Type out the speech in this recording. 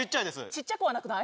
ちっちゃくはなくない？